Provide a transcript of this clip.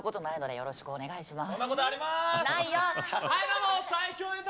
よろしくお願いします。